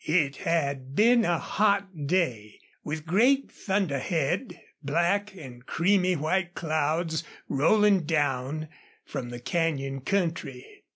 It had been a hot day, with great thunderhead, black and creamy white clouds rolling down from the canyon country.